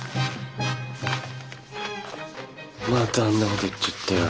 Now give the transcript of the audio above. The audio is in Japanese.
またあんなこと言っちゃったよ。